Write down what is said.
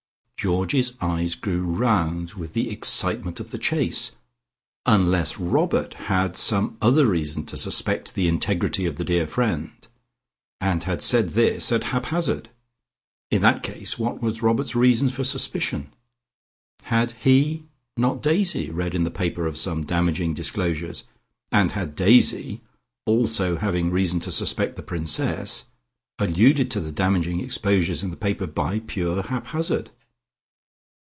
Georgie's eyes grew round with the excitement of the chase ... unless Robert had some other reason to suspect the integrity of the dear friend, and had said this at hap hazard. In that case what was Robert's reason for suspicion? Had he, not Daisy, read in the paper of some damaging disclosures, and had Daisy (also having reason to suspect the Princess) alluded to the damaging exposures in the paper by pure hap hazard?